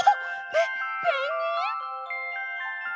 ペペンギン